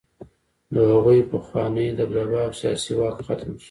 د هغوی پخوانۍ دبدبه او سیاسي واک ختم شو.